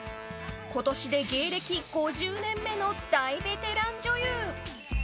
今年で芸歴５０年目の大ベテラン女優。